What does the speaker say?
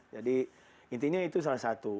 jadi intinya itu salah satu